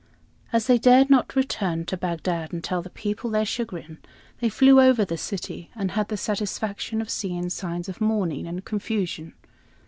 As they dared not return to Bagdad and tell the people their chagrin, they flew over the city, and had the satisfaction of seeing signs of mourning and confusion.